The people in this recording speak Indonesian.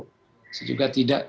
kita juga tidak